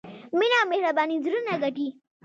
مینه او مهرباني زړونه ګټي.